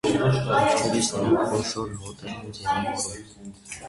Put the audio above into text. Թռչելիս նրանք խոշոր հոտեր են ձևավորում։